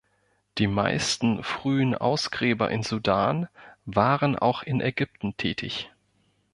Die meisten frühen Ausgräber in Sudan waren auch in Ägypten tätig.